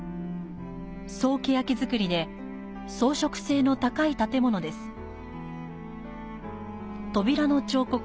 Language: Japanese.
総ケヤキ造りで、装飾性の高い建物です。